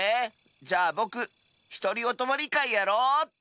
じゃあぼくひとりおとまりかいやろうっと。